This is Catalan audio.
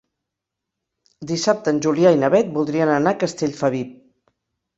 Dissabte en Julià i na Beth voldrien anar a Castellfabib.